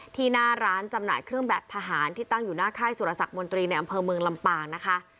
หน้าร้านจำหน่ายเครื่องแบบทหารที่ตั้งอยู่หน้าค่ายสุรสักมนตรีในอำเภอเมืองลำปางนะคะ